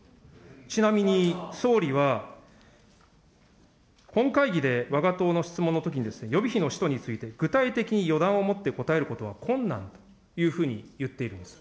ちなみに、総理は本会議でわが党の質問のときに、予備費の使途について、具体的に予断を持って答えることは困難というふうに言っているんです。